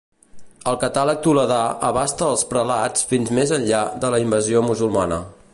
El catàleg toledà abasta els prelats fins més enllà de la invasió musulmana.